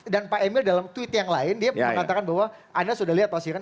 dan pak emil dalam tweet yang lain dia mengatakan bahwa anda sudah lihat pasti kan